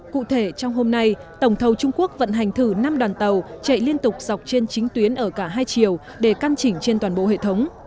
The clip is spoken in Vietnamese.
cụ thể trong hôm nay tổng thầu trung quốc vận hành thử năm đoàn tàu chạy liên tục dọc trên chính tuyến ở cả hai chiều để căn chỉnh trên toàn bộ hệ thống